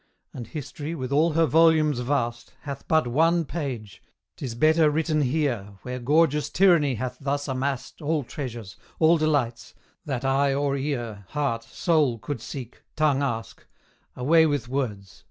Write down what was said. And History, with all her volumes vast, Hath but ONE page, 'tis better written here, Where gorgeous Tyranny hath thus amassed All treasures, all delights, that eye or ear, Heart, soul could seek, tongue ask Away with words!